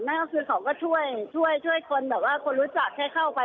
นั่นก็คือเขาก็ช่วยคนรู้จักแค่เข้าไป